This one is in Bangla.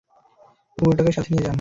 কুকুরটাকে সাথে নিয়ে যান।